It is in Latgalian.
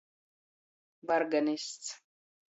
Varganists.